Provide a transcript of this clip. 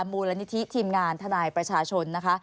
มูลนิธิทีมงานทนายประชาชนนะคะ